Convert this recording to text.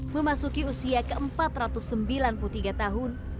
memasuki usia ke empat ratus sembilan puluh tiga tahun